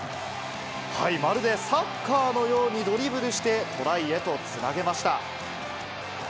まるでサッカーのようにドリブルしてトライへとつなげました。